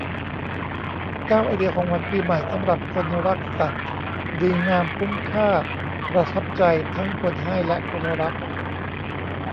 เก้า ไอเดียของขวัญปีใหม่สำหรับคนรักสัตว์ ดีงาม คุ้มค่า ประทับใจทั้งคนให้และคนรับ